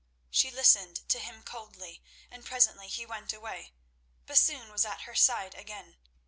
She listened to him coldly, and presently he went away, but soon was at her side again.